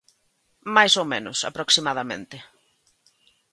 Máis ou menos, aproximadamente.